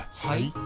はい？